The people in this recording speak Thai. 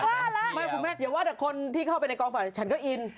เดี๋ยวว่าสักคนที่เข้าไปในกองบอกว่าฉันก็อิน